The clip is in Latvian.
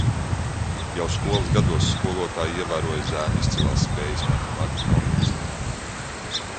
Jau skolas gados skolotāji ievēroja zēna izcilās spējas matemātikā un fizikā.